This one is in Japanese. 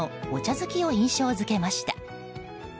好きを印象付けました。